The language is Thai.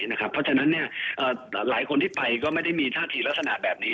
เพราะฉะนั้นหลายคนที่ไปก็ไม่ได้มีท่าทีลักษณะแบบนี้